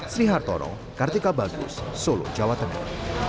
sri hartono kartika bagus solo jawa tengah